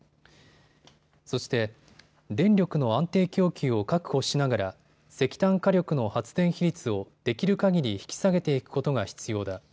そして、電力の安定供給を確保しながら石炭火力の発電比率をできるかぎり引き下げていくことが必要だ。